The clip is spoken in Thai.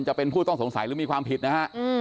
จะเป็นผู้ต้องสงสัยหรือมีความผิดนะฮะ